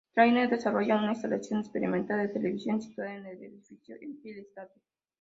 Trainer desarrollaron una instalación experimental de televisión, situada en el edificio Empire State.